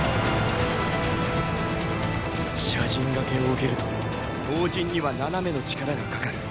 斜陣がけを受けると横陣には斜めの力がかかる。